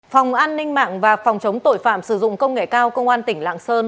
phòng an ninh mạng và phòng chống tội phạm sử dụng công nghệ cao công an tỉnh lạng sơn